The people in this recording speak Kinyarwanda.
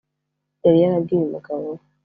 yari yarabwiye umugabo we